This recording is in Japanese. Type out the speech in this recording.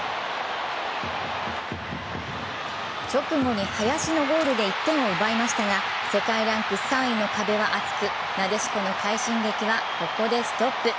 直後に林のゴールで１点を奪いましたが世界ランク３位の壁は厚く、なでしこの快進撃はここでストップ。